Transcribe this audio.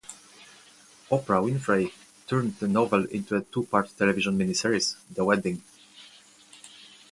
Oprah Winfrey turned the novel into a two-part television miniseries, "The Wedding".